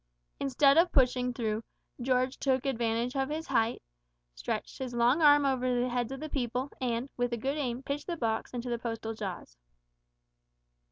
Instead of pushing through, George took advantage of his height, stretched his long arm over the heads of the people, and, with a good aim, pitched the box into the postal jaws.